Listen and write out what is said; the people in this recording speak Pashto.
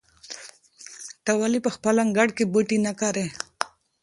ته ولې په خپل انګړ کې بوټي نه کرې؟